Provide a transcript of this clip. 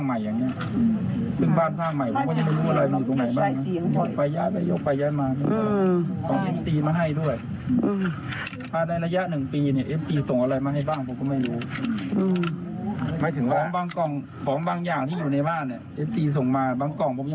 หมายถึงว่าเค้าตรวจเรื่องคดีหรือว่าตรวจทั่วไป